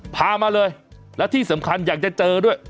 พามาเลยแล้วที่สำคัญอยากจะเจอด้วย